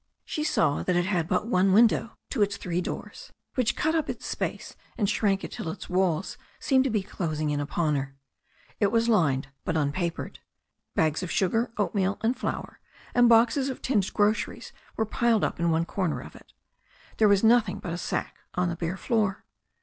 She saw that it had but one window to its three doors, which cut up its space and shrank it till its walls seemed to be closing in upon her. It was lined, but unpapered. Bags of sugar, oatmeal and flour, and boxes of tinned groceries were piled up in one corner of it. There was nothing but a sack on the bare floor.